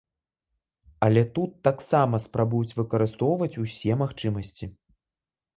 Але тут таксама спрабуюць выкарыстоўваць усе магчымасці.